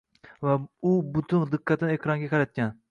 Va u butun diqqatini ekranga qaratgan